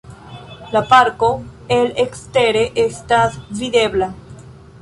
La parko el ekstere estas videbla.